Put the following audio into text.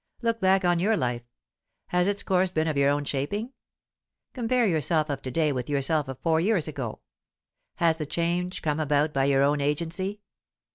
Look back on your life. Has its course been of your own shaping? Compare yourself of to day with yourself of four years ago; has the change come about by your own agency?